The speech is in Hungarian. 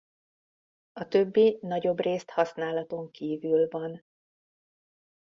A többi nagyobbrészt használaton kívül van.